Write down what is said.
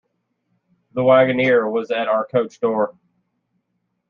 The waggoner was at our coach-door.